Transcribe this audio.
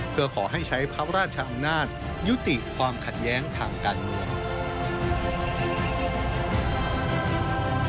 เพื่อขอให้ใช้พระราชอำนาจยุติความขัดแย้งทางการเมือง